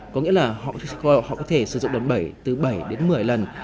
có nghĩa là họ có thể sử dụng đón bảy từ bảy đến một mươi lần